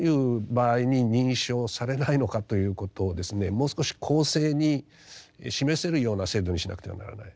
もう少し公正に示せるような制度にしなくてはならない。